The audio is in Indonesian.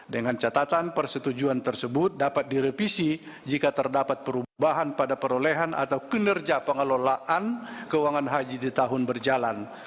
dengan catatan persetujuan tersebut dapat direvisi jika terdapat perubahan pada perolehan atau kinerja pengelolaan keuangan haji di tahun berjalan